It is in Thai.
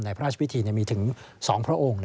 ในราชวิธีมีถึงสองพระองค์